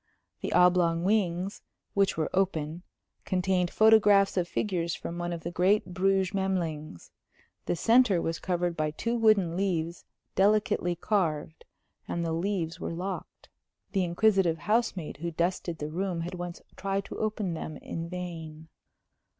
The oblong wings, which were open, contained photographs of figures from one of the great Bruges Memlings. The centre was covered by two wooden leaves delicately carved, and the leaves were locked. The inquisitive housemaid who dusted the room had once tried to open them. in vain.